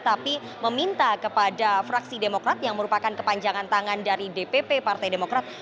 tapi meminta kepada fraksi demokrat yang merupakan kepanjangan tangan dari dpp partai demokrat